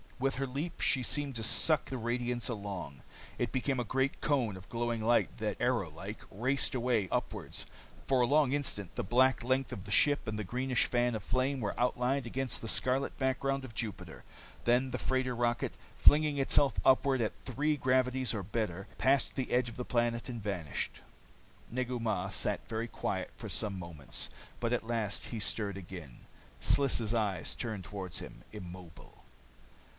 With her leap, she seemed to suck the radiance along. It became a great cone of glowing light that, arrow like, raced away upward. For a long instant the black length of the ship, and the greenish fan of flame, were outlined against the scarlet background of Jupiter. Then the freighter rocket, flinging herself upward at three gravities or better, passed the edge of the planet and vanished. Negu Mah sat very quiet for some moments. But at last he stirred again. Sliss' eyes turned toward him, immobile.